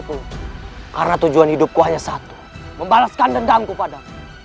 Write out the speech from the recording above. sekarang aku akan menembak mereka